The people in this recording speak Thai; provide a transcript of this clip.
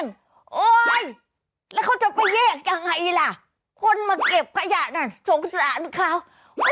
โอ๊ยแล้วเขาจะไปแยกยังไงล่ะคนมาเก็บขยะนั่นสงสารเขา